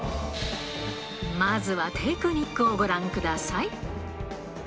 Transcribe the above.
まずはテクニックをご覧ください。